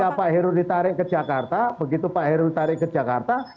ya pak heru ditarik ke jakarta begitu pak heru tarik ke jakarta